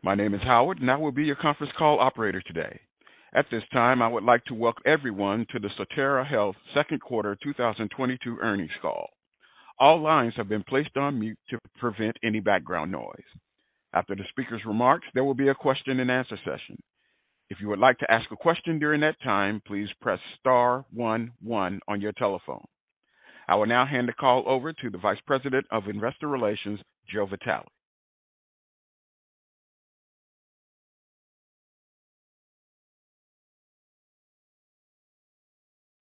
My name is Howard, and I will be your conference call operator today. At this time, I would like to welcome everyone to the Sotera Health second quarter 2022 earnings call. All lines have been placed on mute to prevent any background noise. After the speaker's remarks, there will be a question-and-answer session. If you would like to ask a question during that time, please press star one one on your telephone. I will now hand the call over to the Vice President of Investor Relations, Joe Vitale.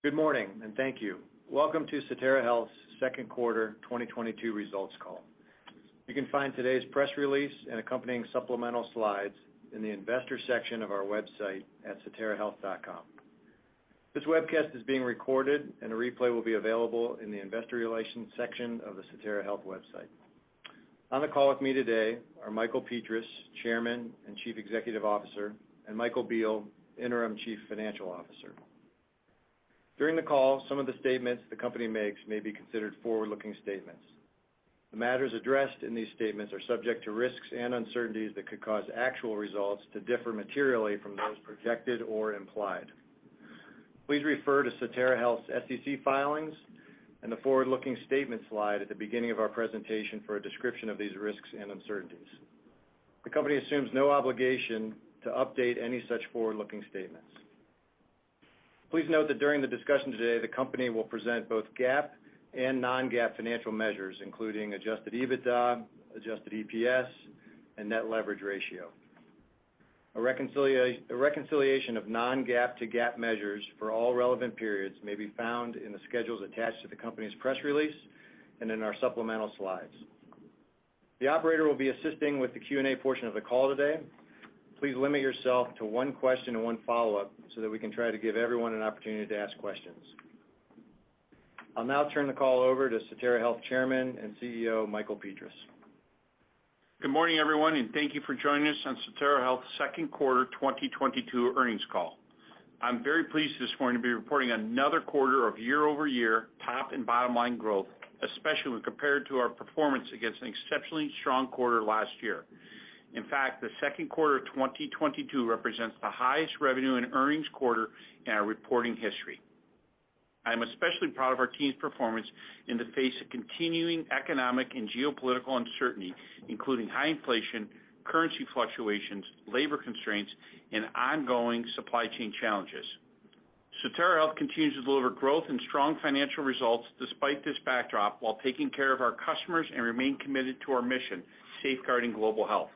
Good morning, and thank you. Welcome to Sotera Health's second quarter 2022 results call. You can find today's press release and accompanying supplemental slides in the investor section of our website at soterahealth.com. This webcast is being recorded, and a replay will be available in the investor relations section of the Sotera Health website. On the call with me today are Michael Petras, Chairman and Chief Executive Officer, and Michael Biehl, Interim Chief Financial Officer. During the call, some of the statements the company makes may be considered forward-looking statements. The matters addressed in these statements are subject to risks and uncertainties that could cause actual results to differ materially from those projected or implied. Please refer to Sotera Health's SEC filings and the forward-looking statement slide at the beginning of our presentation for a description of these risks and uncertainties. The company assumes no obligation to update any such forward-looking statements. Please note that during the discussion today, the company will present both GAAP and non-GAAP financial measures, including adjusted EBITDA, adjusted EPS, and net leverage ratio. A reconciliation of non-GAAP to GAAP measures for all relevant periods may be found in the schedules attached to the company's press release and in our supplemental slides. The operator will be assisting with the Q&A portion of the call today. Please limit yourself to one question and one follow-up so that we can try to give everyone an opportunity to ask questions. I'll now turn the call over to Sotera Health Chairman and CEO, Michael Petras. Good morning, everyone, and thank you for joining us on Sotera Health's second quarter 2022 earnings call. I'm very pleased this morning to be reporting another quarter of year-over-year top and bottom-line growth, especially when compared to our performance against an exceptionally strong quarter last year. In fact, the second quarter of 2022 represents the highest revenue and earnings quarter in our reporting history. I am especially proud of our team's performance in the face of continuing economic and geopolitical uncertainty, including high inflation, currency fluctuations, labor constraints, and ongoing supply chain challenges. Sotera Health continues to deliver growth and strong financial results despite this backdrop, while taking care of our customers and remain committed to our mission, safeguarding global health.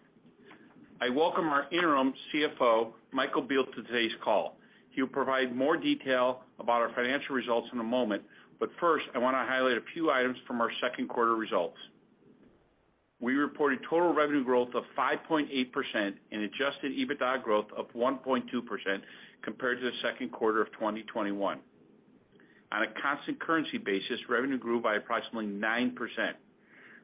I welcome our Interim CFO, Michael Biehl, to today's call. He'll provide more detail about our financial results in a moment, but first, I wanna highlight a few items from our second quarter results. We reported total revenue growth of 5.8% and adjusted EBITDA growth of 1.2% compared to the second quarter of 2021. On a constant currency basis, revenue grew by approximately 9%.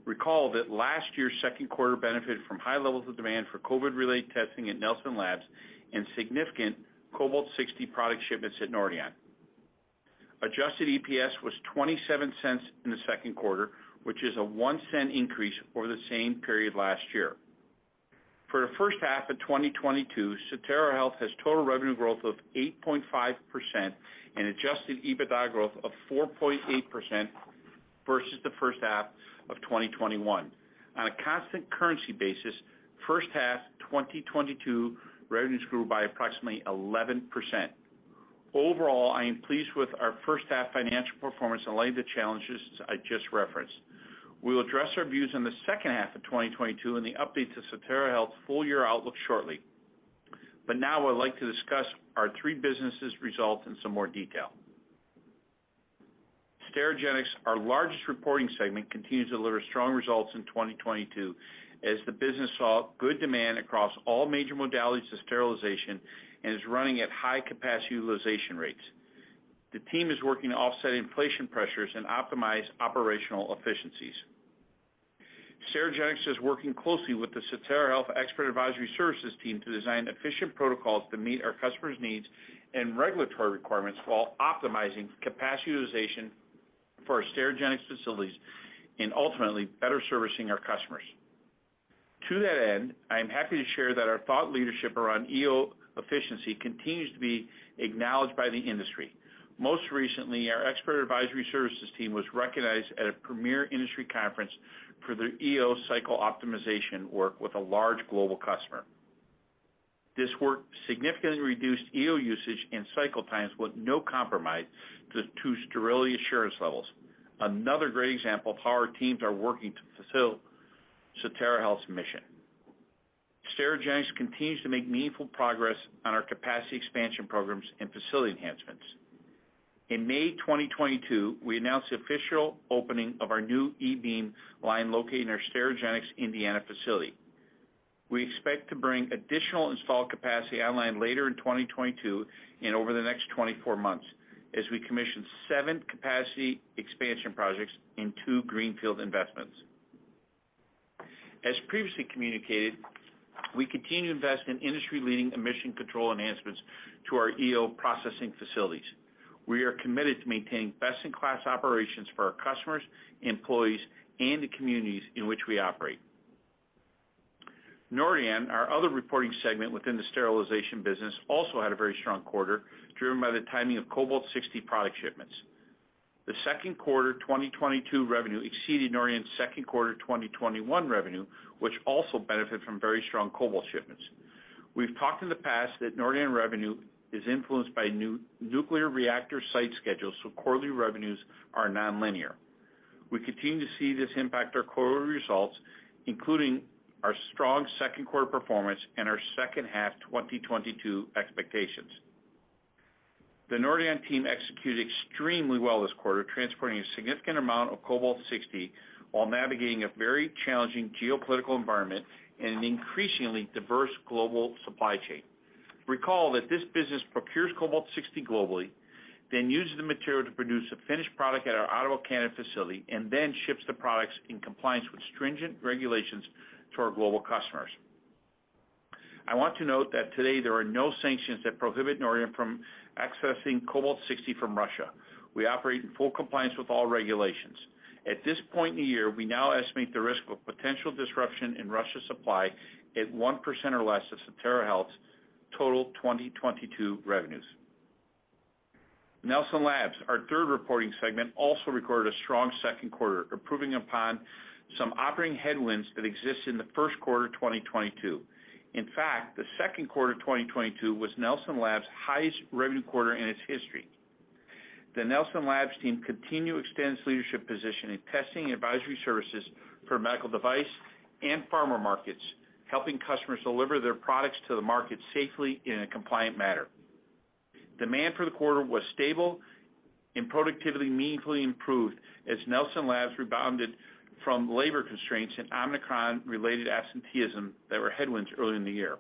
Recall that last year's second quarter benefited from high levels of demand for COVID-related testing at Nelson Labs and significant Cobalt-60 product shipments at Nordion. Adjusted EPS was $0.27 in the second quarter, which is a $0.01 increase over the same period last year. For the first half of 2022, Sotera Health has total revenue growth of 8.5% and adjusted EBITDA growth of 4.8% versus the first half of 2021. On a constant currency basis, first half 2022 revenues grew by approximately 11%. Overall, I am pleased with our first half financial performance in light of the challenges I just referenced. We'll address our views on the second half of 2022 and the update to Sotera Health's full year outlook shortly. Now I'd like to discuss our three businesses results in some more detail. Sterigenics, our largest reporting segment, continues to deliver strong results in 2022 as the business saw good demand across all major modalities of sterilization and is running at high capacity utilization rates. The team is working to offset inflation pressures and optimize operational efficiencies. Sterigenics is working closely with the Sotera Health Expert Advisory Services team to design efficient protocols to meet our customers' needs and regulatory requirements while optimizing capacity utilization for our Sterigenics facilities and ultimately better servicing our customers. To that end, I am happy to share that our thought leadership around EO efficiency continues to be acknowledged by the industry. Most recently, our Expert Advisory Services team was recognized at a premier industry conference for their EO cycle optimization work with a large global customer. This work significantly reduced EO usage and cycle times with no compromise to sterility assurance levels. Another great example of how our teams are working to fulfill Sotera Health's mission. Sterigenics continues to make meaningful progress on our capacity expansion programs and facility enhancements. In May 2022, we announced the official opening of our new E-beam line located in our Sterigenics Indiana facility. We expect to bring additional installed capacity online later in 2022 and over the next 24 months as we commission seven capacity expansion projects in two greenfield investments. As previously communicated, we continue to invest in industry-leading emission control enhancements to our EO processing facilities. We are committed to maintain best-in-class operations for our customers, employees, and the communities in which we operate. Nordion, our other reporting segment within the sterilization business, also had a very strong quarter, driven by the timing of Cobalt-60 product shipments. The second quarter 2022 revenue exceeded Nordion's second quarter 2021 revenue, which also benefit from very strong cobalt shipments. We've talked in the past that Nordion revenue is influenced by nuclear reactor site schedules, so quarterly revenues are nonlinear. We continue to see this impact our quarterly results, including our strong second quarter performance and our second half 2022 expectations. The Nordion team executed extremely well this quarter, transporting a significant amount of Cobalt-60 while navigating a very challenging geopolitical environment and an increasingly diverse global supply chain. Recall that this business procures Cobalt-60 globally, then uses the material to produce a finished product at our Ottawa, Canada facility, and then ships the products in compliance with stringent regulations to our global customers. I want to note that today, there are no sanctions that prohibit Nordion from accessing Cobalt-60 from Russia. We operate in full compliance with all regulations. At this point in the year, we now estimate the risk of potential disruption in Russia supply at 1% or less of Sotera Health's total 2022 revenues. Nelson Labs, our third reporting segment, also recorded a strong second quarter, improving upon some operating headwinds that exists in the first quarter 2022. In fact, the second quarter 2022 was Nelson Labs' highest revenue quarter in its history. The Nelson Labs team continues to extend leadership position in testing and advisory services for medical device and pharma markets, helping customers deliver their products to the market safely in a compliant manner. Demand for the quarter was stable, and productivity meaningfully improved as Nelson Labs rebounded from labor constraints and Omicron-related absenteeism that were headwinds earlier in the year.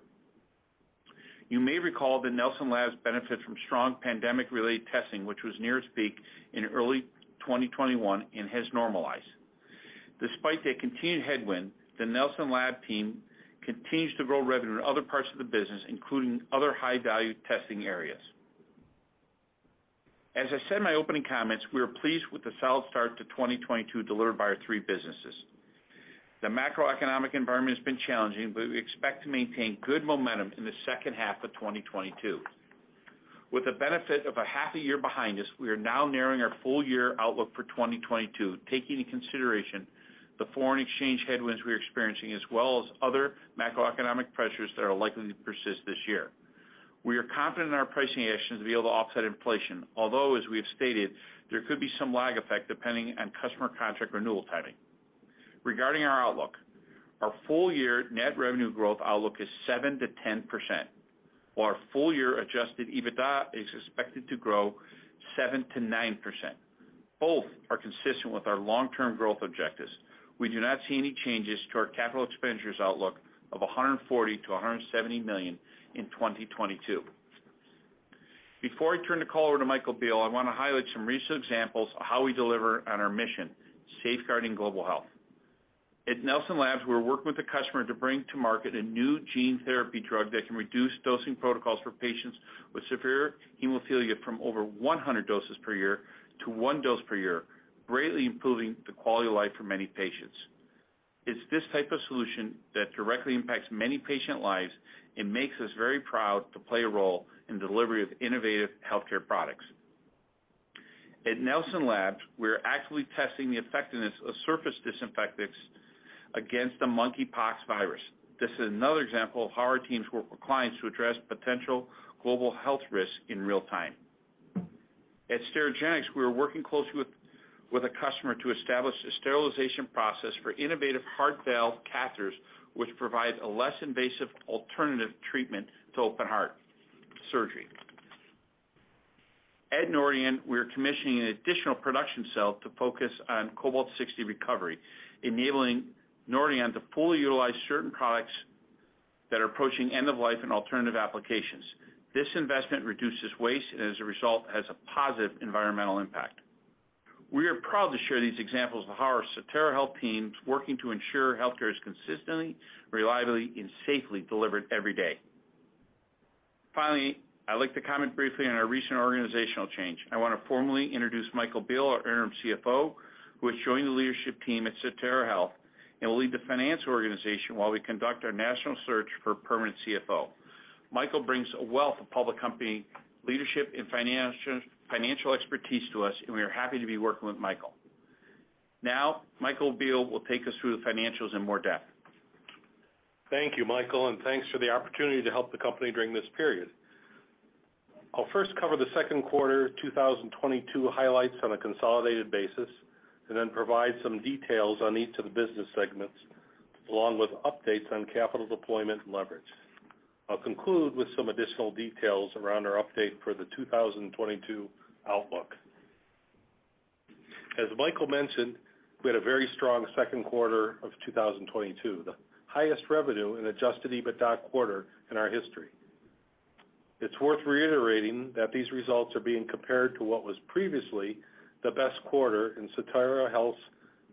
You may recall that Nelson Labs benefits from strong pandemic-related testing, which was near its peak in early 2021 and has normalized. Despite the continued headwind, the Nelson Labs team continues to grow revenue in other parts of the business, including other high-value testing areas. As I said in my opening comments, we are pleased with the solid start to 2022 delivered by our three businesses. The macroeconomic environment has been challenging, but we expect to maintain good momentum in the second half of 2022. With the benefit of half a year behind us, we are now narrowing our full year outlook for 2022, taking into consideration the foreign exchange headwinds we're experiencing, as well as other macroeconomic pressures that are likely to persist this year. We are confident in our pricing actions to be able to offset inflation, although, as we have stated, there could be some lag effect depending on customer contract renewal timing. Regarding our outlook, our full year net revenue growth outlook is 7%-10%, while our full year adjusted EBITDA is expected to grow 7%-9%. Both are consistent with our long-term growth objectives. We do not see any changes to our capital expenditures outlook of $140 million-$170 million in 2022. Before I turn the call over to Michael Biehl, I wanna highlight some recent examples of how we deliver on our mission, safeguarding global health. At Nelson Labs, we're working with a customer to bring to market a new gene therapy drug that can reduce dosing protocols for patients with severe hemophilia from over 100 doses per year to one dose per year, greatly improving the quality of life for many patients. It's this type of solution that directly impacts many patient lives and makes us very proud to play a role in delivery of innovative healthcare products. At Nelson Labs, we are actively testing the effectiveness of surface disinfectants against the monkeypox virus. This is another example of how our teams work with clients to address potential global health risks in real time. At Sterigenics, we are working closely with a customer to establish a sterilization process for innovative heart valve catheters, which provide a less invasive alternative treatment to open heart surgery. At Nordion, we are commissioning an additional production cell to focus on Cobalt-60 recovery, enabling Nordion to fully utilize certain products that are approaching end of life and alternative applications. This investment reduces waste and, as a result, has a positive environmental impact. We are proud to share these examples of how our Sotera Health team's working to ensure healthcare is consistently, reliably, and safely delivered every day. Finally, I'd like to comment briefly on our recent organizational change. I wanna formally introduce Michael Biehl, our Interim CFO, who has joined the leadership team at Sotera Health and will lead the finance organization while we conduct our national search for a permanent CFO. Michael brings a wealth of public company leadership and financial expertise to us, and we are happy to be working with Michael. Now, Michael Biehl will take us through the financials in more depth. Thank you, Michael, and thanks for the opportunity to help the company during this period. I'll first cover the second quarter 2022 highlights on a consolidated basis and then provide some details on each of the business segments, along with updates on capital deployment and leverage. I'll conclude with some additional details around our update for the 2022 outlook. As Michael mentioned, we had a very strong second quarter of 2022, the highest revenue and adjusted EBITDA quarter in our history. It's worth reiterating that these results are being compared to what was previously the best quarter in Sotera Health's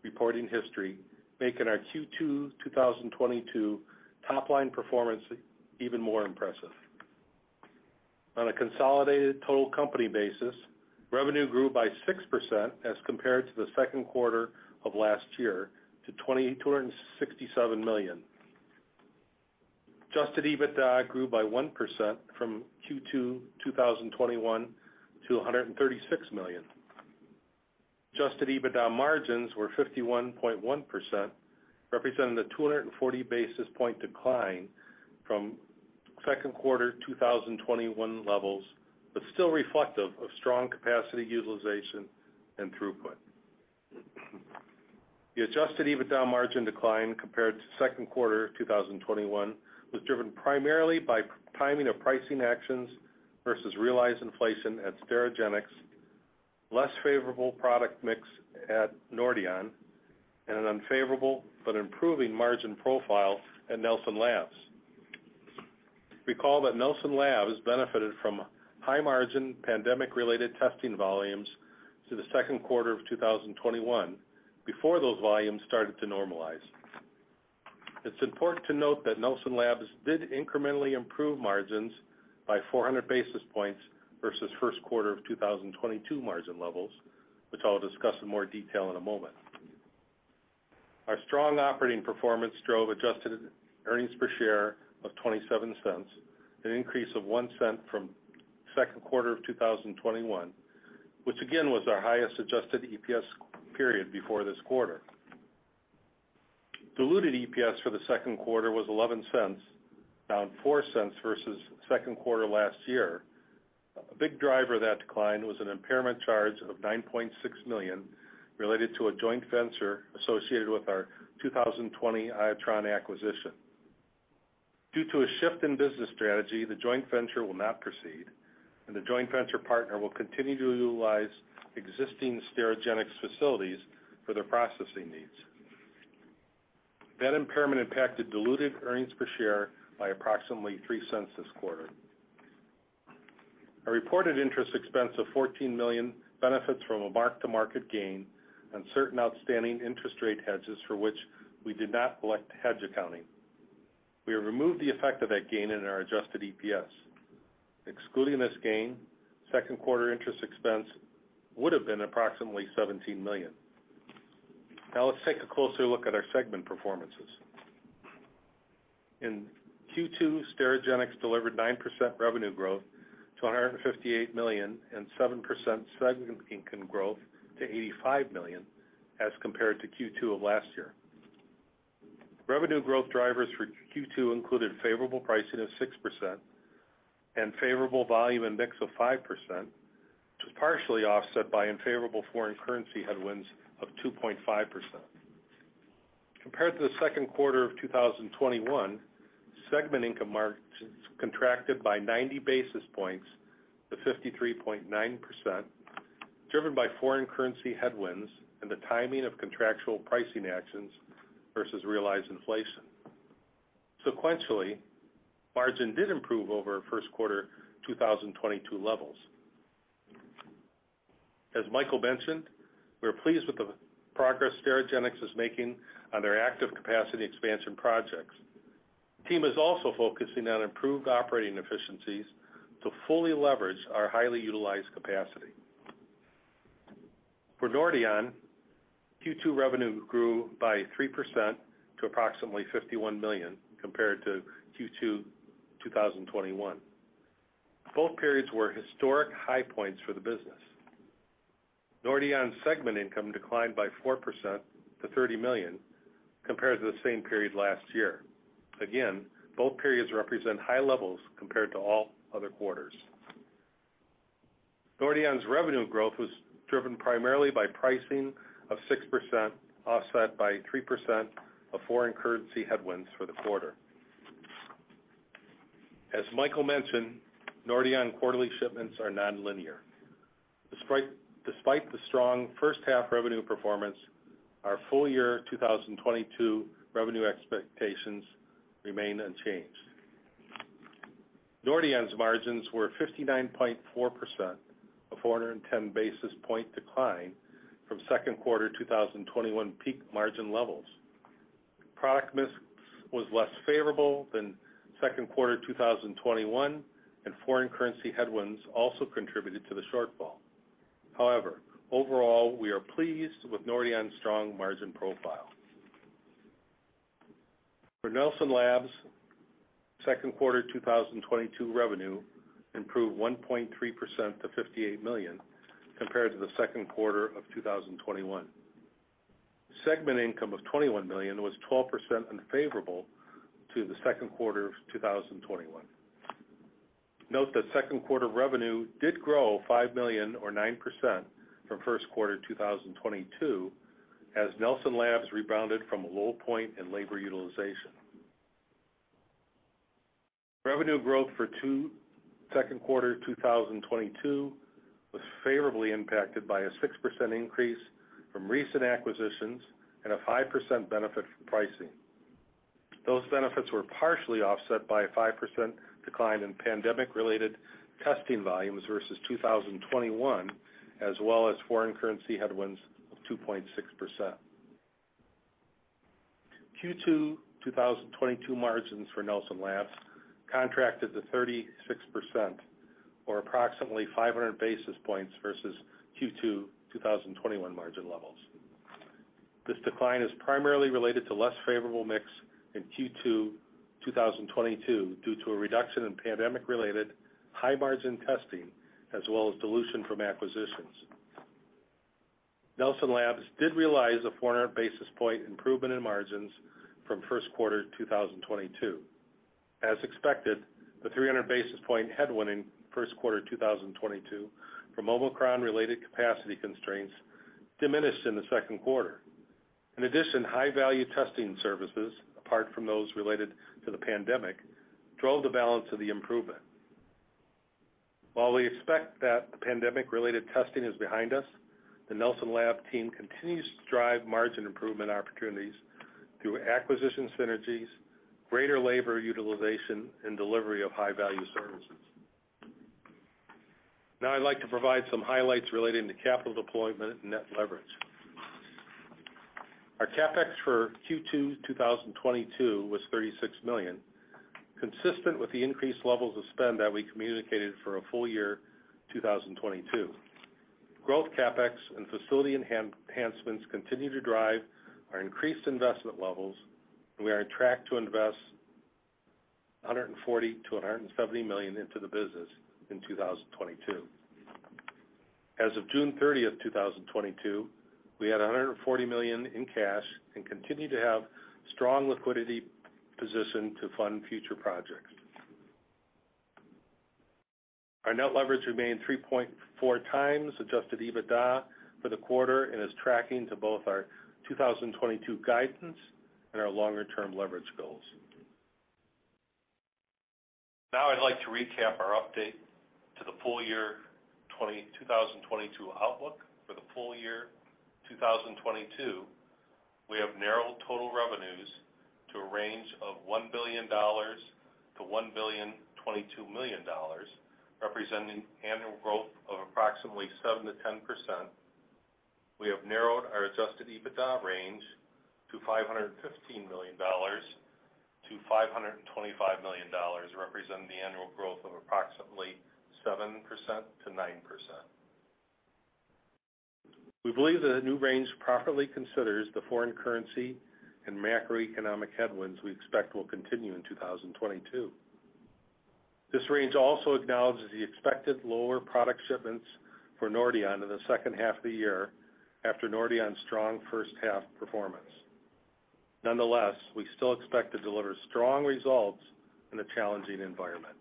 reporting history, making our Q2 2022 top-line performance even more impressive. On a consolidated total company basis, revenue grew by 6% as compared to the second quarter of last year to $267 million. Adjusted EBITDA grew by 1% from Q2 2021 to $136 million. Adjusted EBITDA margins were 51.1%, representing a 240 basis points decline from second quarter 2021 levels, but still reflective of strong capacity utilization and throughput. The adjusted EBITDA margin decline compared to second quarter 2021 was driven primarily by timing of pricing actions versus realized inflation at Sterigenics, less favorable product mix at Nordion, and an unfavorable but improving margin profile at Nelson Labs. Recall that Nelson Labs benefited from high-margin pandemic-related testing volumes through the second quarter of 2021 before those volumes started to normalize. It's important to note that Nelson Labs did incrementally improve margins by 400 basis points versus first quarter of 2022 margin levels, which I'll discuss in more detail in a moment. Our strong operating performance drove adjusted earnings per share of $0.27, an increase of $0.01 from second quarter of 2021, which again was our highest adjusted EPS period before this quarter. Diluted EPS for the second quarter was $0.11, down $0.04 versus second quarter last year. A big driver of that decline was an impairment charge of $9.6 million related to a joint venture associated with our 2020 Iotron acquisition. Due to a shift in business strategy, the joint venture will not proceed, and the joint venture partner will continue to utilize existing Sterigenics facilities for their processing needs. That impairment impacted diluted earnings per share by approximately $0.03 this quarter. A reported interest expense of $14 million benefits from a mark-to-market gain on certain outstanding interest rate hedges for which we did not select hedge accounting. We have removed the effect of that gain in our adjusted EPS. Excluding this gain, second quarter interest expense would have been approximately $17 million. Now let's take a closer look at our segment performances. In Q2, Sterigenics delivered 9% revenue growth to $158 million and 7% segment income growth to $85 million as compared to Q2 of last year. Revenue growth drivers for Q2 included favorable pricing of 6% and favorable volume and mix of 5%, which was partially offset by unfavorable foreign currency headwinds of 2.5%. Compared to the second quarter of 2021, segment income margins contracted by 90 basis points to 53.9%, driven by foreign currency headwinds and the timing of contractual pricing actions versus realized inflation. Sequentially, margin did improve over first quarter 2022 levels. As Michael mentioned, we're pleased with the progress Sterigenics is making on their active capacity expansion projects. Team is also focusing on improved operating efficiencies to fully leverage our highly utilized capacity. For Nordion, Q2 revenue grew by 3% to approximately $51 million compared to Q2 2021. Both periods were historic high points for the business. Nordion's segment income declined by 4% to $30 million compared to the same period last year. Again, both periods represent high levels compared to all other quarters. Nordion's revenue growth was driven primarily by pricing of 6%, offset by 3% of foreign currency headwinds for the quarter. As Michael mentioned, Nordion quarterly shipments are nonlinear. Despite the strong first half revenue performance, our full-year 2022 revenue expectations remain unchanged. Nordion's margins were 59.4%, a 410 basis point decline from second quarter 2021 peak margin levels. Product mix was less favorable than second quarter 2021, and foreign currency headwinds also contributed to the shortfall. However, overall, we are pleased with Nordion's strong margin profile. For Nelson Labs, second quarter 2022 revenue improved 1.3% to $58 million compared to the second quarter of 2021. Segment income of $21 million was 12% unfavorable to the second quarter of 2021. Note that second quarter revenue did grow $5 million or 9% from first quarter 2022 as Nelson Labs rebounded from a low point in labor utilization. Revenue growth for second quarter 2022 was favorably impacted by a 6% increase from recent acquisitions and a 5% benefit from pricing. Those benefits were partially offset by a 5% decline in pandemic-related testing volumes versus 2021, as well as foreign currency headwinds of 2.6%. Q2 2022 margins for Nelson Labs contracted to 36% or approximately 500 basis points versus Q2 2021 margin levels. This decline is primarily related to less favorable mix in Q2 2022 due to a reduction in pandemic-related high-margin testing, as well as dilution from acquisitions. Nelson Labs did realize a 400 basis point improvement in margins from first quarter 2022. As expected, the 300 basis point headwind in first quarter 2022 from Omicron-related capacity constraints diminished in the second quarter. In addition, high-value testing services, apart from those related to the pandemic, drove the balance of the improvement. While we expect that the pandemic-related testing is behind us, the Nelson Labs team continues to drive margin improvement opportunities through acquisition synergies, greater labor utilization, and delivery of high-value services. Now I'd like to provide some highlights relating to capital deployment and net leverage. Our CapEx for Q2 2022 was $36 million, consistent with the increased levels of spend that we communicated for a full year 2022. Growth CapEx and facility enhancements continue to drive our increased investment levels, and we are on track to invest $140 million-$170 million into the business in 2022. As of June 30th, 2022, we had $140 million in cash and continue to have strong liquidity position to fund future projects. Our net leverage remained 3.4x adjusted EBITDA for the quarter and is tracking to both our 2022 guidance and our longer-term leverage goals. Now I'd like to recap our update to the full year 2022 outlook. For the full year 2022, we have narrowed total revenues to a range of $1 billion-$1.022 billion, representing annual growth of approximately 7%-10%. We have narrowed our adjusted EBITDA range to $515 million-$525 million, representing the annual growth of approximately 7%-9%. We believe that the new range properly considers the foreign currency and macroeconomic headwinds we expect will continue in 2022. This range also acknowledges the expected lower product shipments for Nordion in the second half of the year after Nordion's strong first half performance. Nonetheless, we still expect to deliver strong results in a challenging environment.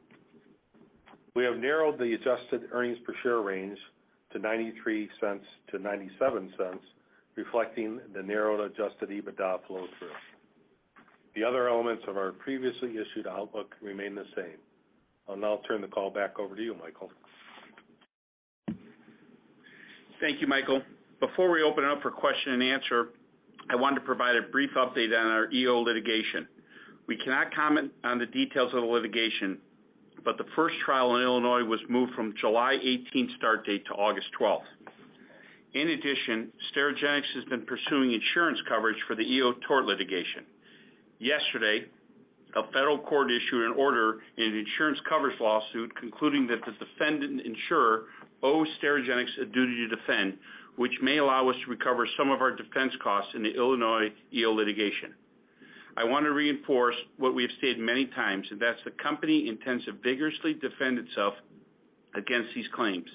We have narrowed the adjusted earnings per share range to $0.93-$0.97, reflecting the narrowed adjusted EBITDA flow through. The other elements of our previously issued outlook remain the same. I'll now turn the call back over to you, Michael. Thank you, Michael. Before we open it up for question and answer, I want to provide a brief update on our EO litigation. We cannot comment on the details of the litigation, but the first trial in Illinois was moved from July 18th start date to August 12th. In addition, Sterigenics has been pursuing insurance coverage for the EO tort litigation. Yesterday, a federal court issued an order in an insurance coverage lawsuit concluding that the defendant insurer owes Sterigenics a duty to defend, which may allow us to recover some of our defense costs in the Illinois EO litigation. I want to reinforce what we have stated many times, and that's the company intends to vigorously defend itself against these claims.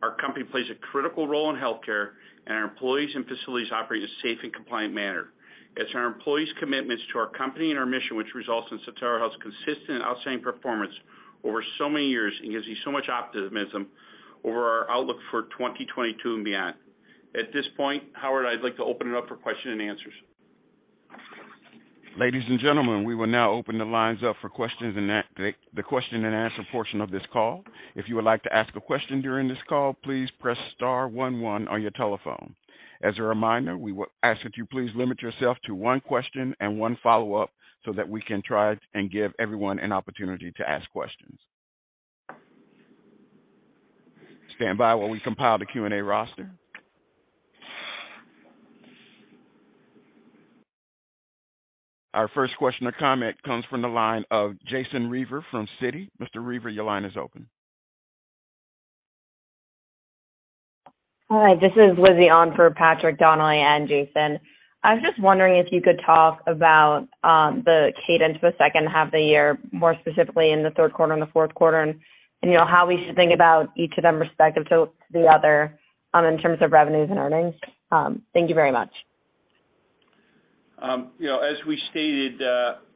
Our company plays a critical role in healthcare, and our employees and facilities operate in a safe and compliant manner. It's our employees' commitments to our company and our mission which results in Sotera's consistent outstanding performance over so many years and gives you so much optimism over our outlook for 2022 and beyond. At this point, Howard, I'd like to open it up for questions and answers. Ladies and gentlemen, we will now open the lines up for questions and the question and answer portion of this call. If you would like to ask a question during this call, please press star one one on your telephone. As a reminder, we will ask that you please limit yourself to one question and one follow-up so that we can try and give everyone an opportunity to ask questions. Stand by while we compile the Q&A roster. Our first question or comment comes from the line of Jason Reiver from Citi. Mr. Reiver, your line is open. Hi, this is Lizzie on for Patrick Donnelly and Jason. I was just wondering if you could talk about the cadence for the second half of the year, more specifically in the third quarter and the fourth quarter and you know, how we should think about each of them respective to the other, in terms of revenues and earnings. Thank you very much. As we stated,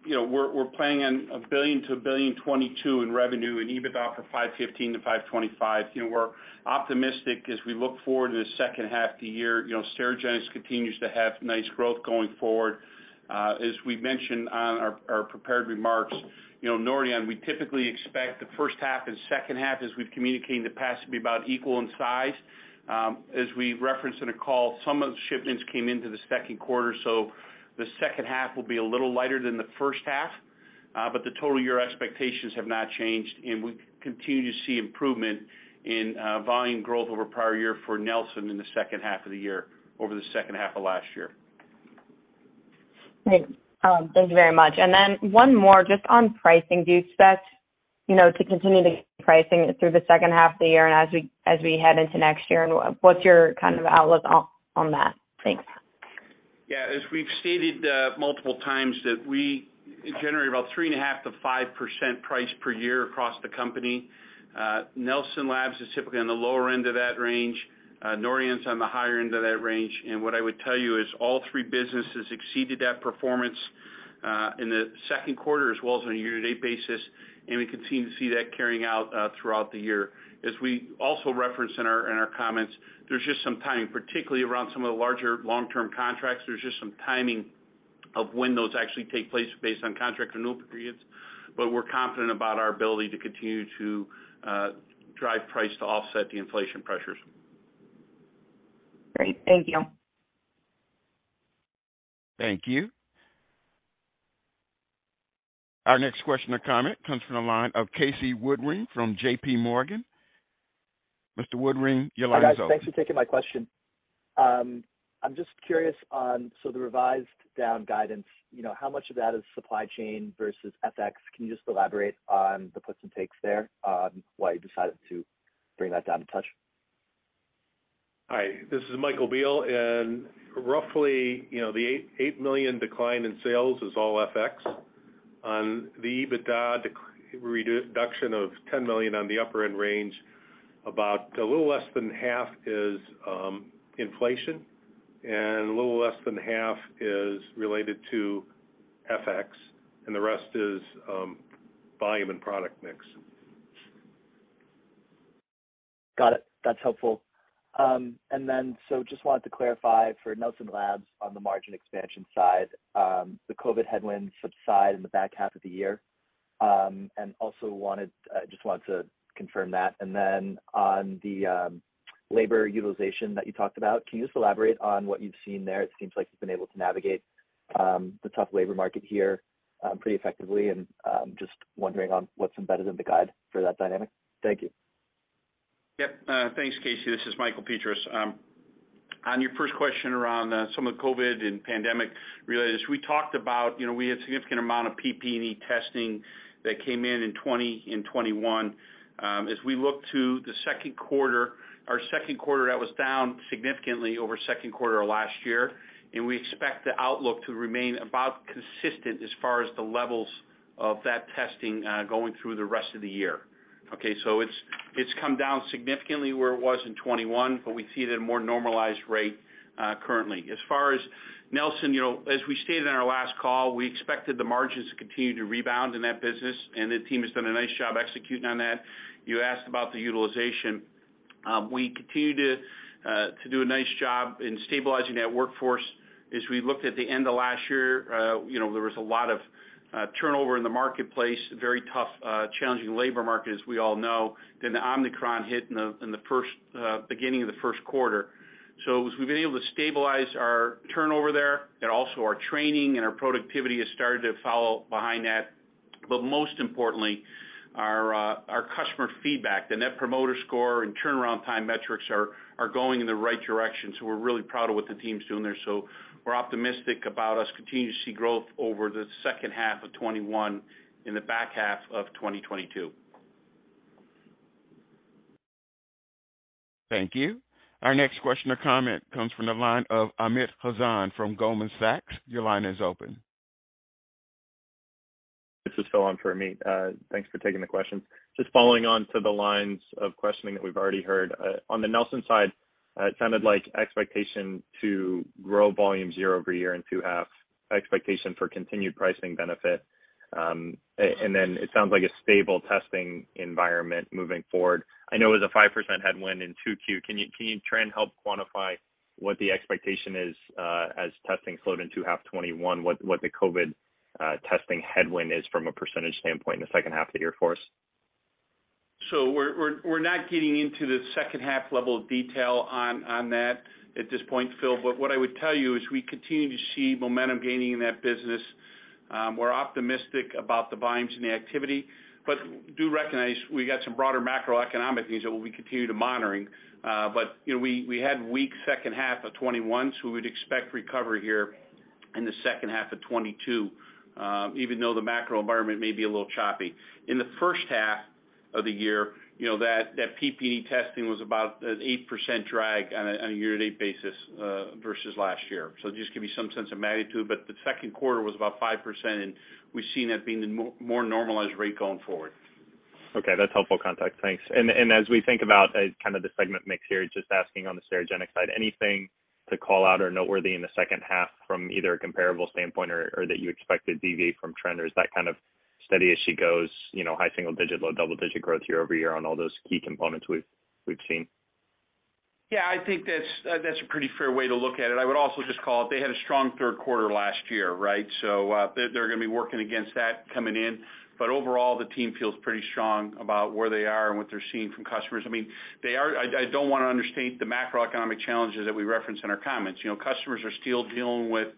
you know, we're planning on $1 billion-$1.022 billion in revenue and EBITDA for $515 million-$525 million. You know, we're optimistic as we look forward to the second half of the year. You know, Sterigenics continues to have nice growth going forward. As we mentioned on our prepared remarks, you know, Nordion, we typically expect the first half and second half, as we've communicated in the past, to be about equal in size. As we referenced in a call, some of the shipments came into the second quarter, so the second half will be a little lighter than the first half. The total year expectations have not changed, and we continue to see improvement in volume growth over prior year for Nelson in the second half of the year over the second half of last year. Great. Thanks very much. One more just on pricing. Do you expect, you know, to continue to get pricing through the second half of the year and as we head into next year? What's your kind of outlook on that? Thanks. Yeah, as we've stated, multiple times that we generate about 3.5%-5% price per year across the company. Nelson Labs is typically on the lower end of that range. Nordion's on the higher end of that range. What I would tell you is all three businesses exceeded that performance, in the second quarter as well as on a year-to-date basis, and we continue to see that carrying out, throughout the year. As we also referenced in our comments, there's just some timing, particularly around some of the larger long-term contracts. There's just some timing of when those actually take place based on contract renewal periods. We're confident about our ability to continue to, drive price to offset the inflation pressures. Great. Thank you. Thank you. Our next question or comment comes from the line of Casey Woodring from JPMorgan. Mr. Woodring, your line is open. Hi, guys. Thanks for taking my question. I'm just curious on so the revised down guidance, you know, how much of that is supply chain versus FX? Can you just elaborate on the puts and takes there, on why you decided to bring that down a touch? Hi, this is Michael Biehl. Roughly, you know, the $8 million decline in sales is all FX. On the EBITDA reduction of $10 million on the upper end range, about a little less than half is inflation, and a little less than half is related to FX, and the rest is volume and product mix. Got it. That's helpful. Just wanted to clarify for Nelson Labs on the margin expansion side, the COVID headwinds subside in the back half of the year. Just want to confirm that. On the labor utilization that you talked about, can you just elaborate on what you've seen there? It seems like you've been able to navigate the tough labor market here pretty effectively, and just wondering on what's embedded in the guide for that dynamic. Thank you. Yep. Thanks, Casey. This is Michael Petras. On your first question around some of the COVID and pandemic related, we talked about, you know, we had a significant amount of PPE testing that came in in 2020 and 2021. As we look to the second quarter, our second quarter, that was down significantly over second quarter of last year, and we expect the outlook to remain about consistent as far as the levels of that testing going through the rest of the year. Okay, so it's come down significantly where it was in 2021, but we see it at a more normalized rate currently. As far as Nelson, you know, as we stated on our last call, we expected the margins to continue to rebound in that business, and the team has done a nice job executing on that. You asked about the utilization. We continue to do a nice job in stabilizing that workforce. As we looked at the end of last year, you know, there was a lot of turnover in the marketplace, very tough, challenging labor market, as we all know. The Omicron hit in the beginning of the first quarter. As we've been able to stabilize our turnover there and also our training and our productivity has started to follow behind that. Most importantly, our customer feedback, the Net Promoter Score and turnaround time metrics are going in the right direction. We're really proud of what the team's doing there. We're optimistic about us continuing to see growth over the second half of 2021, in the back half of 2022. Thank you. Our next question or comment comes from the line of Amit Hazan from Goldman Sachs. Your line is open. This is Phil on for Amit. Thanks for taking the question. Just following on to the lines of questioning that we've already heard. On the Nelson side, it sounded like expectation to grow volume year-over-year in two half. Expectation for continued pricing benefit. And then it sounds like a stable testing environment moving forward. I know it was a 5% headwind in 2Q. Can you try and help quantify what the expectation is, as testing slowed in two half 2021? What the COVID testing headwind is from a percentage standpoint in the second half of the year for us? We're not getting into the second half level of detail on that at this point, Phil. What I would tell you is we continue to see momentum gaining in that business. We're optimistic about the volumes and the activity, but do recognize we got some broader macroeconomic things that we'll continue to monitor. You know, we had weak second half of 2021, so we'd expect recovery here in the second half of 2022, even though the macro environment may be a little choppy. In the first half of the year, you know, that PPE testing was about an 8% drag on a year-to-date basis versus last year. Just give you some sense of magnitude, but the second quarter was about 5%, and we've seen that being the more normalized rate going forward. Okay, that's helpful context. Thanks. As we think about kind of the segment mix here, just asking on the Sterigenics side, anything to call out or noteworthy in the second half from either a comparable standpoint or that you expect to deviate from trend? Or is that kind of steady as she goes, you know, high single digit, low double-digit growth year-over-year on all those key components we've seen? Yeah, I think that's a pretty fair way to look at it. I would also just call it, they had a strong third quarter last year, right? They're gonna be working against that coming in. Overall, the team feels pretty strong about where they are and what they're seeing from customers. I mean, I don't wanna understate the macroeconomic challenges that we referenced in our comments. You know, customers are still dealing with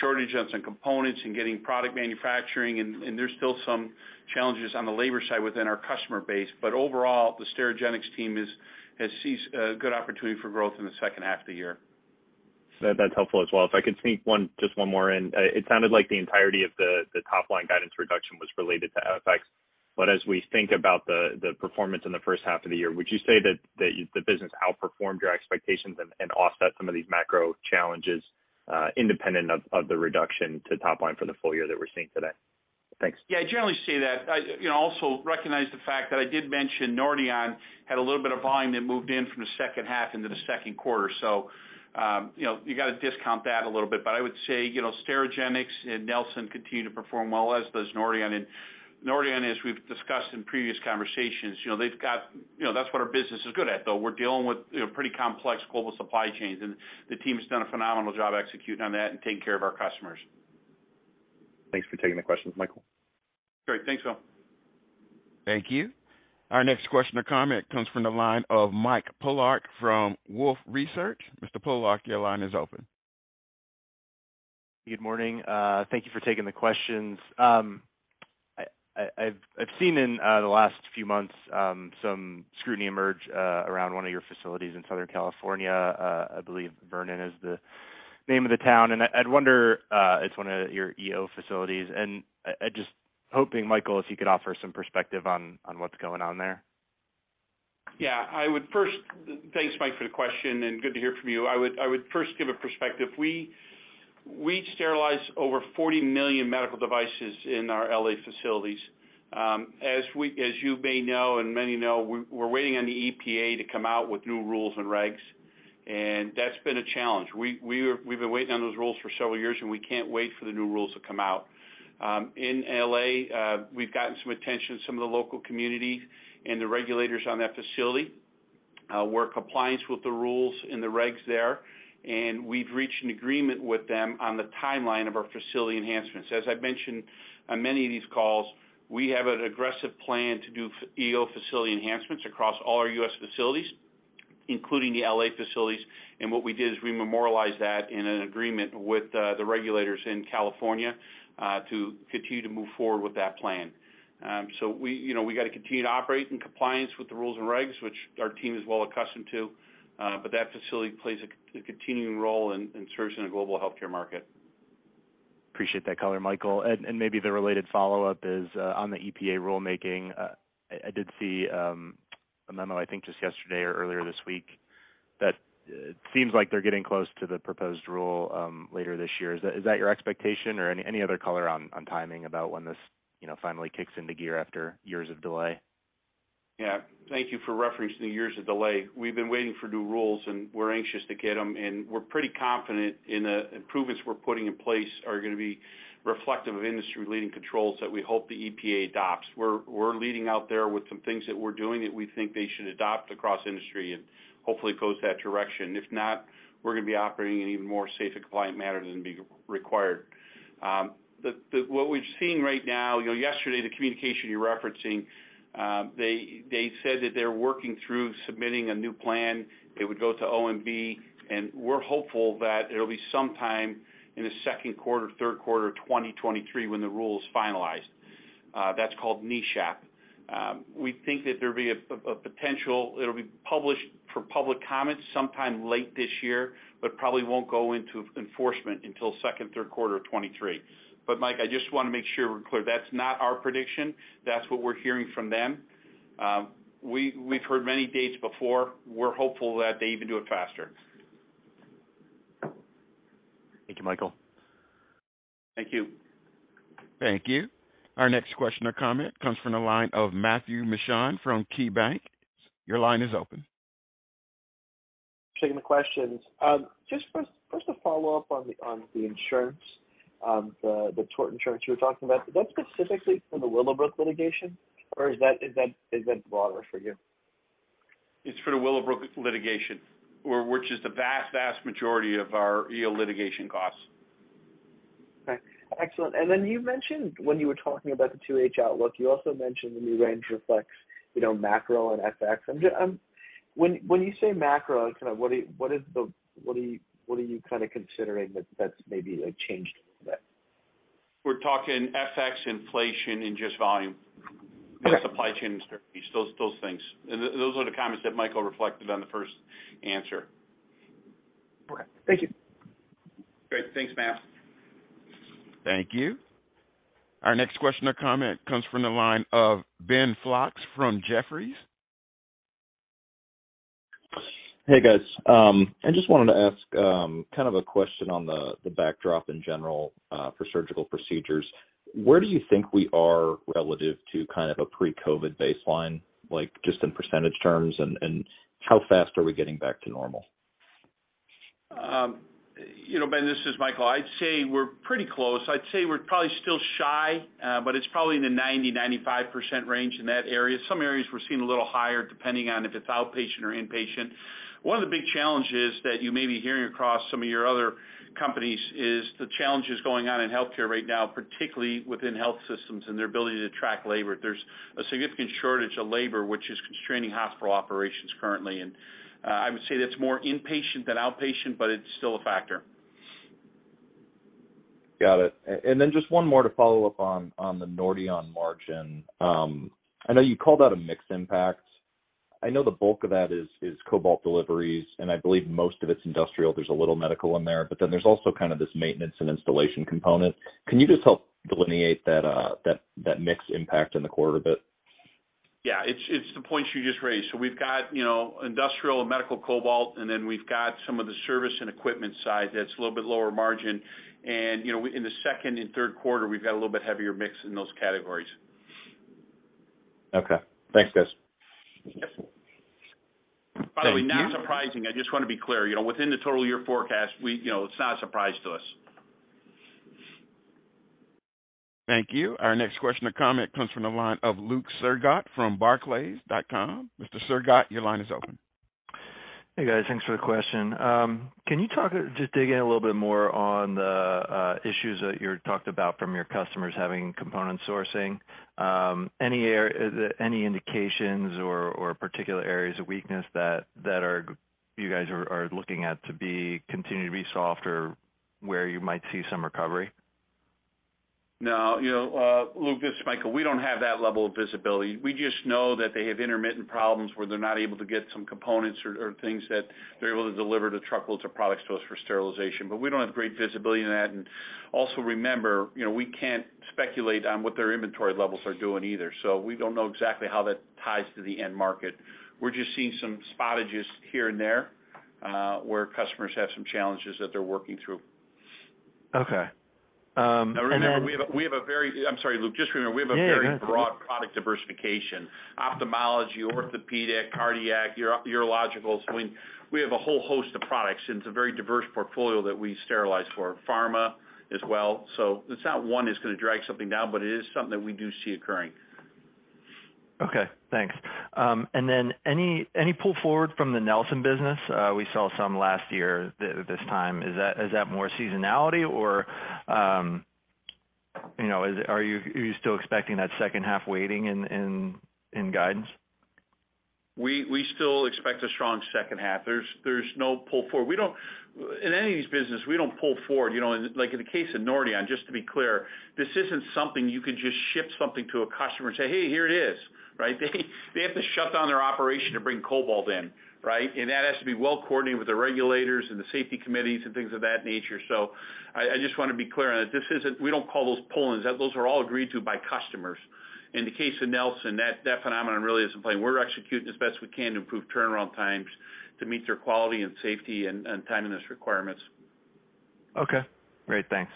shortages in components and getting product manufacturing, and there's still some challenges on the labor side within our customer base. Overall, the Sterigenics team has seized a good opportunity for growth in the second half of the year. That's helpful as well. If I could sneak one, just one more in. It sounded like the entirety of the top line guidance reduction was related to FX. As we think about the performance in the first half of the year, would you say that the business outperformed your expectations and offset some of these macro challenges, independent of the reduction to top line for the full year that we're seeing today? Thanks. Yeah, I generally see that. I, you know, also recognize the fact that I did mention Nordion had a little bit of volume that moved in from the second half into the second quarter. You know, you gotta discount that a little bit. I would say, you know, Sterigenics and Nelson continue to perform well, as does Nordion. Nordion, as we've discussed in previous conversations, you know, they've got. You know, that's what our business is good at, though. We're dealing with, you know, pretty complex global supply chains, and the team has done a phenomenal job executing on that and taking care of our customers. Thanks for taking the questions, Michael. Great. Thanks, Phil. Thank you. Our next question or comment comes from the line of Mike Polark from Wolfe Research. Mr. Polark, your line is open. Good morning. Thank you for taking the questions. I've seen in the last few months some scrutiny emerged around one of your facilities in Southern California. I believe Vernon is the name of the town. I wonder if it's one of your EO facilities, and I'm just hoping, Michael, if you could offer some perspective on what's going on there. Yeah. Thanks, Mike, for the question, and good to hear from you. I would first give a perspective. We sterilize over 40 million medical devices in our L.A. facilities. As you may know, and many know, we're waiting on the EPA to come out with new rules and regs, and that's been a challenge. We've been waiting on those rules for several years, and we can't wait for the new rules to come out. In L.A., we've gotten some attention in some of the local community and the regulators on that facility. We're in compliance with the rules and the regs there, and we've reached an agreement with them on the timeline of our facility enhancements. As I've mentioned on many of these calls, we have an aggressive plan to do EO facility enhancements across all our U.S. facilities, including the L.A. facilities. What we did is we memorialized that in an agreement with the regulators in California to continue to move forward with that plan. We you know we gotta continue to operate in compliance with the rules and regs, which our team is well accustomed to, but that facility plays a continuing role in servicing the global healthcare market. Appreciate that color, Michael. Maybe the related follow-up is on the EPA rulemaking. I did see a memo, I think just yesterday or earlier this week, that seems like they're getting close to the proposed rule later this year. Is that your expectation or any other color on timing about when this you know finally kicks into gear after years of delay? Yeah. Thank you for referencing the years of delay. We've been waiting for new rules, and we're anxious to get them, and we're pretty confident in the improvements we're putting in place are gonna be reflective of industry-leading controls that we hope the EPA adopts. We're leading out there with some things that we're doing that we think they should adopt across industry and hopefully goes that direction. If not, we're gonna be operating in even more safe and compliant manner than being required. What we've seen right now, you know, yesterday, the communication you're referencing, they said that they're working through submitting a new plan that would go to OMB, and we're hopeful that it'll be sometime in the second quarter, third quarter of 2023 when the rule is finalized. That's called NESHAP. We think that there'd be a potential. It'll be published for public comment sometime late this year, but probably won't go into enforcement until second-third quarter of 2023. Mike, I just wanna make sure we're clear. That's not our prediction. That's what we're hearing from them. We've heard many dates before. We're hopeful that they even do it faster. Thank you, Michael. Thank you. Thank you. Our next question or comment comes from the line of Matthew Mishan from KeyBanc. Your line is open. Taking the questions. Just first a follow-up on the insurance, the tort insurance you were talking about. Is that specifically for the Willowbrook litigation, or is that broader for you? It's for the Willowbrook litigation, which is the vast majority of our EO litigation costs. Okay. Excellent. You mentioned when you were talking about the 2H outlook, you also mentioned the new range reflects, you know, macro and FX. I'm just, when you say macro, kind of what are you kinda considering that that's maybe, like, changed a little bit? We're talking FX inflation and just volume. Okay. The supply chain disparities, those things. Those are the comments that Michael reflected on the first answer. Okay. Thank you. Great. Thanks, Matt. Thank you. Our next question or comment comes from the line of Ben Flox from Jefferies. Hey, guys. I just wanted to ask kind of a question on the backdrop in general for surgical procedures. Where do you think we are relative to kind of a pre-COVID baseline, like just in percentage terms, and how fast are we getting back to normal? You know, Ben, this is Michael. I'd say we're pretty close. I'd say we're probably still shy, but it's probably in the 90%-95% range in that area. Some areas we're seeing a little higher, depending on if it's outpatient or inpatient. One of the big challenges that you may be hearing across some of your other companies is the challenges going on in healthcare right now, particularly within health systems and their ability to track labor. There's a significant shortage of labor, which is constraining hospital operations currently. I would say that's more inpatient than outpatient, but it's still a factor. Got it. Just one more to follow up on the Nordion margin. I know you called out a mixed impact. I know the bulk of that is cobalt deliveries, and I believe most of it's industrial. There's a little medical in there, but then there's also kind of this maintenance and installation component. Can you just help delineate that mixed impact in the quarter a bit? Yeah. It's the points you just raised. We've got, you know, industrial and medical cobalt, and then we've got some of the service and equipment side that's a little bit lower margin. You know, in the second and third quarter, we've got a little bit heavier mix in those categories. Okay. Thanks, guys. Yes. Thank you. By the way, not surprising. I just wanna be clear, you know, within the total year forecast, we, you know, it's not a surprise to us. Thank you. Our next question or comment comes from the line of Luke Sergott from Barclays. Mr. Sergott, your line is open. Hey, guys. Thanks for the question. Can you talk or just dig in a little bit more on the issues that you're talked about from your customers having component sourcing? Any indications or particular areas of weakness that you guys are looking at to be continue to be soft or where you might see some recovery? No. You know, Luke, this is Michael. We don't have that level of visibility. We just know that they have intermittent problems where they're not able to get some components or things that they're able to deliver the truckloads of products to us for sterilization. We don't have great visibility in that. Remember, you know, we can't speculate on what their inventory levels are doing either. We don't know exactly how that ties to the end market. We're just seeing some spottages here and there, where customers have some challenges that they're working through. Okay. Now remember, we have a very. I'm sorry, Luke. Just remember, we have a very. Yeah, yeah. Broad product diversification. Ophthalmology, orthopedic, cardiac, urologicals. I mean, we have a whole host of products, and it's a very diverse portfolio that we sterilize for. Pharma as well. It's not one that's gonna drag something down, but it is something that we do see occurring. Okay, thanks. Any pull forward from the Nelson business? We saw some last year this time. Is that more seasonality or are you still expecting that second half weighting in guidance? We still expect a strong second half. There's no pull forward. We don't. In any of these businesses, we don't pull forward. You know, like in the case of Nordion, just to be clear, this isn't something you can just ship something to a customer and say, "Hey, here it is." Right? They have to shut down their operation to bring cobalt in, right? That has to be well-coordinated with the regulators and the safety committees and things of that nature. I just wanna be clear on that. This isn't. We don't call those pull-ins. Those are all agreed to by customers. In the case of Nelson, that phenomenon really is in play. We're executing as best we can to improve turnaround times to meet their quality and safety and timeliness requirements. Okay. Great. Thanks.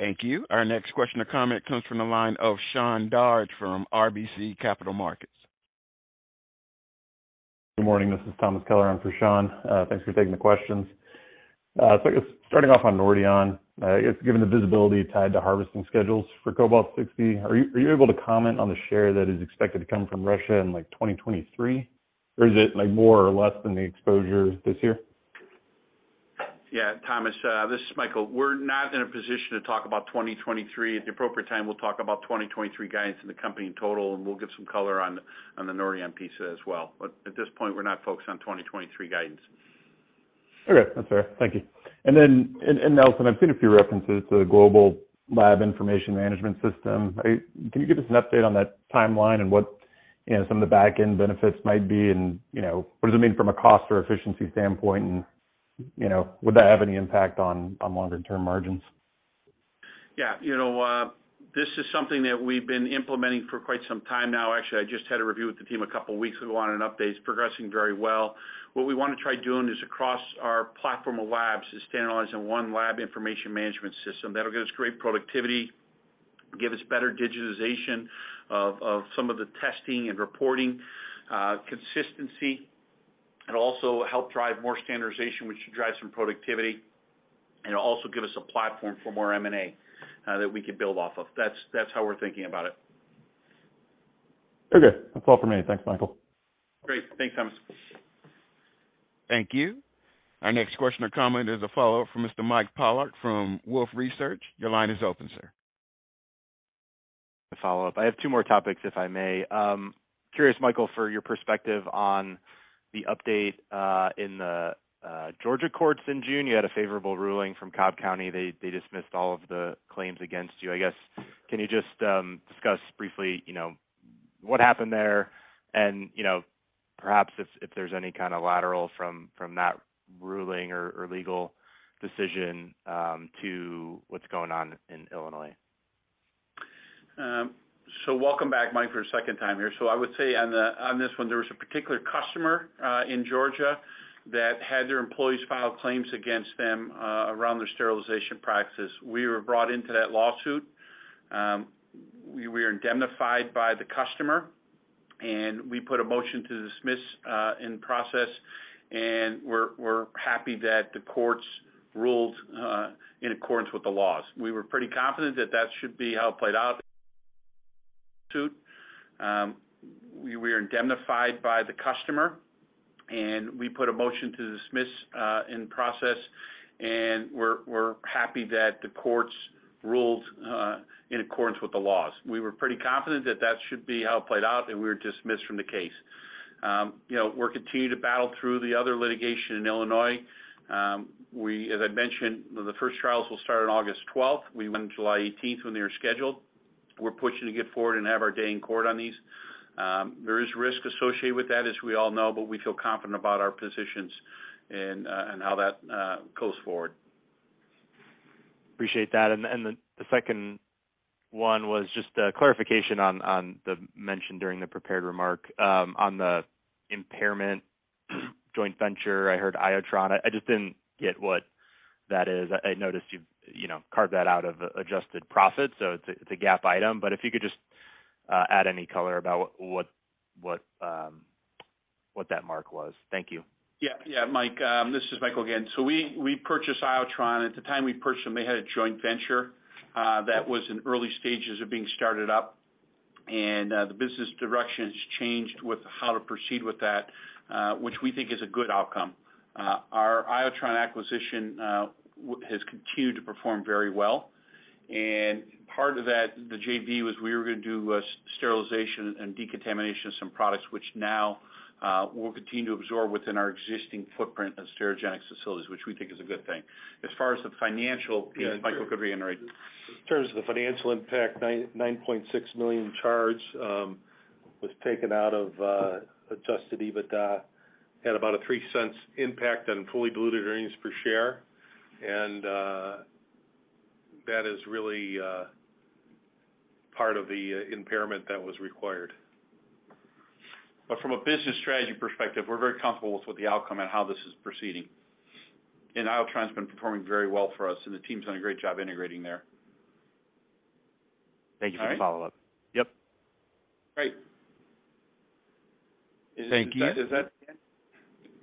Thank you. Our next question or comment comes from the line of Sean Dodge from RBC Capital Markets. Good morning. This is Thomas Kelliher on for Sean. Thanks for taking the questions. I guess starting off on Nordion, I guess given the visibility tied to harvesting schedules for Cobalt-60, are you able to comment on the share that is expected to come from Russia in, like, 2023? Or is it, like, more or less than the exposure this year? Yeah. Thomas, this is Michael. We're not in a position to talk about 2023. At the appropriate time, we'll talk about 2023 guidance in the company in total, and we'll give some color on the Nordion piece as well. At this point, we're not focused on 2023 guidance. Okay, that's fair. Thank you. In Nelson, I've seen a few references to the global lab information management system. Can you give us an update on that timeline and what, you know, some of the back end benefits might be and, you know, what does it mean from a cost or efficiency standpoint and, you know, would that have any impact on longer term margins? Yeah. You know, this is something that we've been implementing for quite some time now. Actually, I just had a review with the team a couple weeks ago on an update. It's progressing very well. What we wanna try doing is across our platform of labs is standardizing one lab information management system. That'll give us great productivity, give us better digitization of some of the testing and reporting, consistency, and also help drive more standardization, which should drive some productivity, and it'll also give us a platform for more M&A that we can build off of. That's how we're thinking about it. Okay. That's all for me. Thanks, Michael. Great. Thanks, Thomas. Thank you. Our next question or comment is a follow-up from Mr. Mike Polark from Wolfe Research. Your line is open, sir. A follow-up. I have two more topics, if I may. Curious, Michael, for your perspective on the update in the Georgia courts in June. You had a favorable ruling from Cobb County. They dismissed all of the claims against you. I guess, can you just discuss briefly, you know, what happened there and, you know, perhaps if there's any kinda lateral from that ruling or legal decision to what's going on in Illinois? Welcome back, Mike, for a second time here. I would say on this one, there was a particular customer in Georgia that had their employees file claims against them around their sterilization practices. We were brought into that lawsuit. We are indemnified by the customer, and we put a motion to dismiss in process. We're happy that the courts ruled in accordance with the laws. We were pretty confident that that should be how it played out, and we were dismissed from the case. You know, we'll continue to battle through the other litigation in Illinois. As I mentioned, the first trials will start on August 12. We went on July 18 when they were scheduled. We're pushing to get forward and have our day in court on these. There is risk associated with that, as we all know, but we feel confident about our positions and how that goes forward. Appreciate that. The second one was just a clarification on the mention during the prepared remark on the impairment joint venture. I heard Iotron. I just didn't get what that is. I noticed you know carved that out of adjusted profit, so it's a GAAP item. If you could just add any color about what that mark was. Thank you. Yeah. Yeah, Mike, this is Michael again. We purchased Iotron. At the time we purchased them, they had a joint venture that was in early stages of being started up. The business direction has changed with how to proceed with that, which we think is a good outcome. Our Iotron acquisition has continued to perform very well. Part of that, the JV, was we were gonna do a sterilization and decontamination of some products, which now we'll continue to absorb within our existing footprint of Sterigenics facilities, which we think is a good thing. As far as the financial piece, Michael could reiterate. In terms of the financial impact, $9.6 million charge was taken out of adjusted EBITDA. Had about a $0.03 impact on fully diluted earnings per share. That is really part of the impairment that was required. From a business strategy perspective, we're very comfortable with the outcome and how this is proceeding. Iotron's been performing very well for us, and the team's done a great job integrating there. Thank you for the follow-up. All right. Yep. Great. Is it? Thank you. Is that?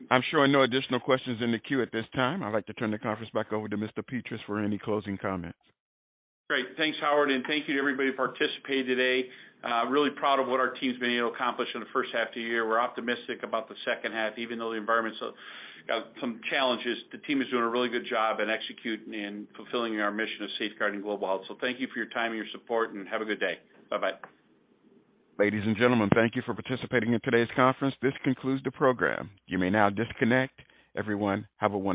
Yeah. I'm showing no additional questions in the queue at this time. I'd like to turn the conference back over to Mr. Petras for any closing comments. Great. Thanks, Howard, and thank you to everybody who participated today. Really proud of what our team's been able to accomplish in the first half of the year. We're optimistic about the second half, even though the environment's got some challenges. The team is doing a really good job in executing and fulfilling our mission of safeguarding global health. Thank you for your time and your support, and have a good day. Bye-bye. Ladies and gentlemen, thank you for participating in today's conference. This concludes the program. You may now disconnect. Everyone, have a wonderful day.